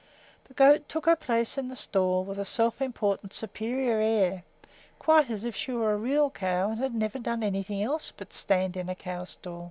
The goat took her place in the stall with a self important, superior air, quite as if she were a real cow and had never done anything else but stand in a cow stall.